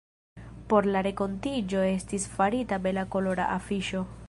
Por la renkontiĝo estis farita bela kolora afiŝo.